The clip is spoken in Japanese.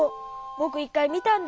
ぼくいっかいみたんだよ。